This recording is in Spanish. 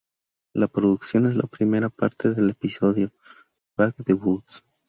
La producción es la primera parte del episodio "Back to the Woods".